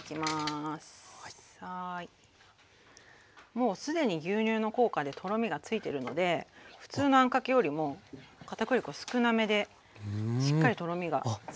もう既に牛乳の効果でとろみがついてるので普通のあんかけよりも片栗粉少なめでしっかりとろみがつくんですよ。